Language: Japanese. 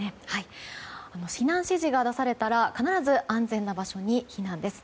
避難指示が出されたら必ず安全な場所に避難です。